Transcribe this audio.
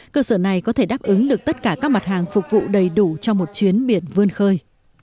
cơ sở này có thể đáp ứng được tất cả các mặt hàng phục vụ đầy đủ cho một chuyến biển vươn khơi